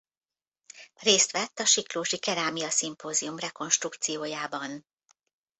Részt vett a Siklósi Kerámia Symposion rekonstrukciójában.